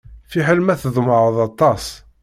Fiḥel ma tḍemɛeḍ aṭas.